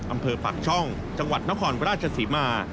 อำเภอปากช่องจังหวัดนครราชศรีมา